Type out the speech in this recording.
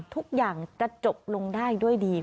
ทุกอย่างจะจบลงได้ด้วยดี